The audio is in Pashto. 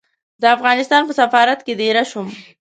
د افغانستان په سفارت کې دېره شوم.